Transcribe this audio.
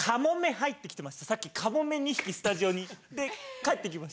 さっきかもめ２匹スタジオにで帰って行きました。